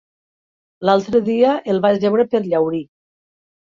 L'altre dia el vaig veure per Llaurí.